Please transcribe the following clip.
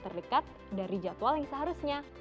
terdekat dari jadwal yang seharusnya